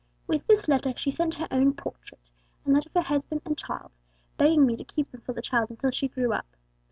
With this letter she sent her own portrait, and that of her husband and child, begging me to keep them for the child until she grew up.